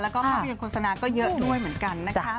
แล้วก็ภาพยนตร์โฆษณาก็เยอะด้วยเหมือนกันนะคะ